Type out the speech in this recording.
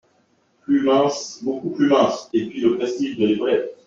Plus mince… beaucoup plus mince… et puis le prestige de l’épaulette !